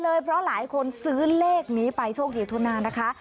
เฮเลยเพราะหลายคนซื้อเลขนี้ไปโชคดีทุนานนะคะ